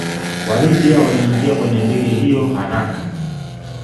WaLibya waliingia kwenye ndege hiyo haraka